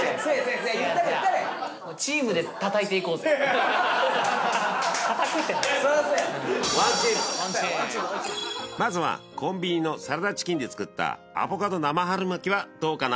・叩くってまずはコンビニのサラダチキンで作ったアボカド生春巻きはどうかな？